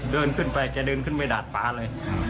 เดินขึ้นไปแกเดินขึ้นไปดาดฟ้าเลย